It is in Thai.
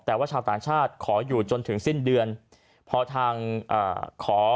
แต่ว่าชาวต่างชาติขอหยุดจนถึงสิ้นเดือนเพราะทางขอ